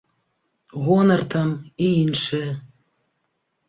Гонар там і іншае.